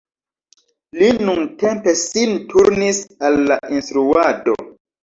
Li nuntempe sin turnis al la instruado.